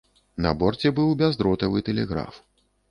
На борце быў бяздротавы тэлеграф.